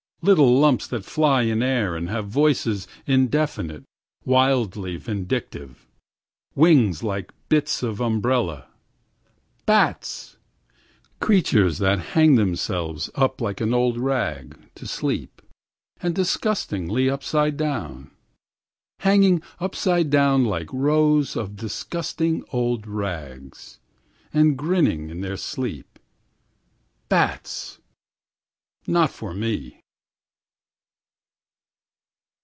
36Little lumps that fly in air and have voices indefinite, wildly vindictive;37Wings like bits of umbrella.38Bats!39Creatures that hang themselves up like an old rag, to sleep;40And disgustingly upside down.41Hanging upside down like rows of disgusting old rags42And grinning in their sleep.43Bats!44Not for me!